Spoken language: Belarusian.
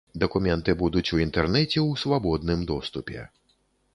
Дакументы будуць у інтэрнэце ў свабодным доступе.